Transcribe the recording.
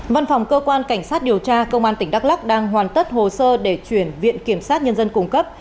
văn phòng cơ quan cảnh sát điều tra công an tỉnh đắk lắc đang hoàn tất hồ sơ để chuyển viện kiểm sát nhân dân cung cấp